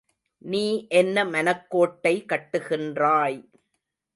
நீ என்ன மனக்கோட்டை கட்டுகின்றாய்.